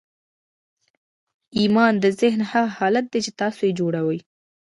ایمان د ذهن هغه حالت دی چې تاسې یې جوړوئ